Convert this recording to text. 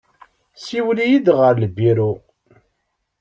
Siwel-iyi-id ɣer lbiru.